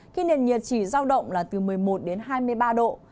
khi nền nhiệt chỉ giao động là từ một mươi một đến hai mươi ba độ